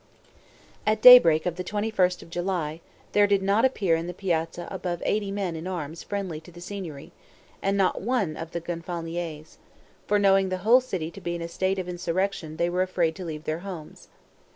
At daybreak on the 21st of July, there did not appear in the piazza above eighty men in arms friendly to the Signory, and not one of the Gonfaloniers; for knowing the whole city to be in a state of insurrection they were afraid to leave their homes.